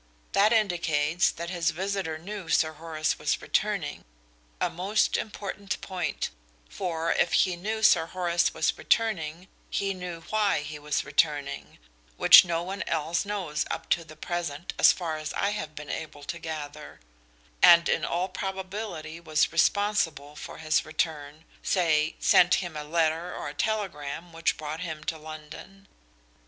That indicates that his visitor knew Sir Horace was returning; a most important point, for if he knew Sir Horace was returning he knew why he was returning which no one else knows up to the present as far as I have been able to gather and in all probability was responsible for his return, say, sent him a letter or a telegram which brought him to London.